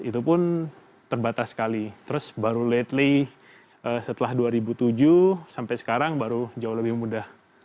itu pun terbatas sekali terus baru lately setelah dua ribu tujuh sampai sekarang baru jauh lebih mudah